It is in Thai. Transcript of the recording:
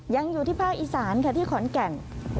อยู่ที่ภาคอีสานค่ะที่ขอนแก่น